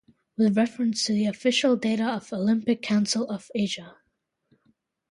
With reference to the official data of the Olympic Council of Asia.